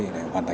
thì là hoàn toàn